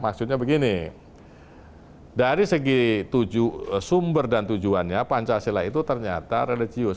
maksudnya begini dari segi sumber dan tujuannya pancasila itu ternyata religius